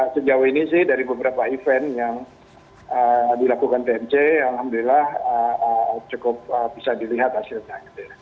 sejauh ini sih dari beberapa event yang dilakukan tnc alhamdulillah cukup bisa dilihat hasilnya